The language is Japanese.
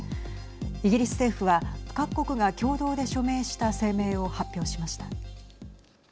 イギリス政府は各国が共同で署名した声明を発表しました。